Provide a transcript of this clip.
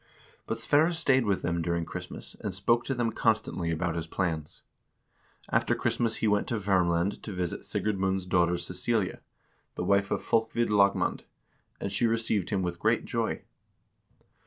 But Sverre stayed with them during Christmas, and spoke to them constantly about his plans. After Christmas he went to Vermland to visit Sigurd Mund's daughter Cecilia, the wife of Folkvid Lagmand, and she received him with great joy.